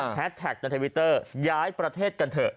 แท็กในทวิตเตอร์ย้ายประเทศกันเถอะ